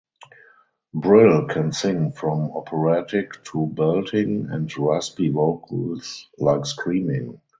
Brill can sing from operatic to belting and raspy vocals like screaming.